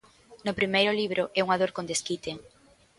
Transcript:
No primeiro libro é unha dor con desquite.